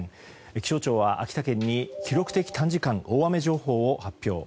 気象庁は秋田県に記録的短時間大雨情報を発表。